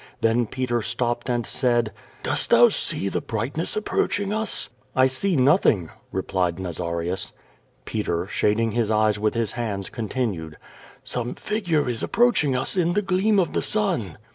Then Peter stopped and said: "Dost thou see the brightness approaching us?" "I see nothing," replied Nazarius. Peter, shading his eyes with his hands, continued: "Some figure is approaching us in the gleam of the sun."